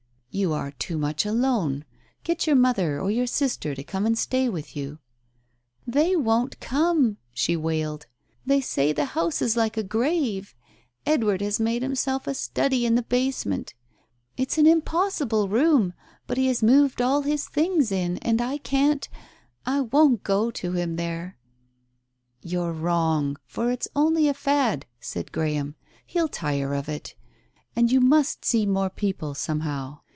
"You are too mych alone. Get your mother or your sister to come and stay with you." " They won't come," she wailed. " They say the house is like a grave. Edward has made himself a study in the basement. It's an impossible room — but he has moved all his things in, and I can't — I won't go to him there. ..." "You're wrong. For it's only a fad," said Graham, "he'll tire of it. And you must see more people some how.